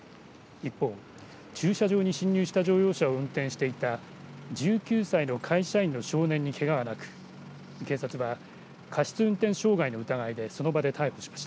一方、駐車場に進入した乗用車を運転していた１９歳の会社員の少年にけがはなく警察は過失運転傷害の疑いでその場で逮捕しました。